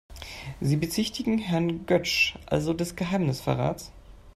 Sie bezichtigen Herrn Götsch also des Geheimnisverrats?